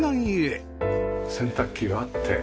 洗濯機があって。